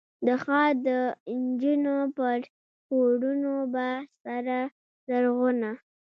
د ښار دنجونو پر پوړونو به، سره زرغونه،